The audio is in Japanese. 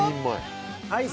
はい。